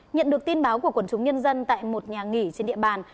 nhận được tin báo của quần chúng nhân dân tại một nhà nghỉ trên địa bàn